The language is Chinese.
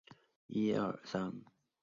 既之国筑台于此。